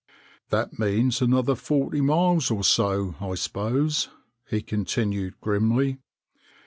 " That means another forty miles or so, I suppose," he continued grimly.